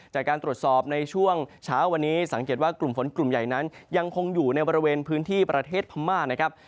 จากการตรวจสอบในช่วงเช้าวันนี้สังเกตว่ากลุ่มฝนกลุ่มใหญ่นั้นยังคงอยู่ในบริเวณพื้นที่ประเทศพม่านะครับ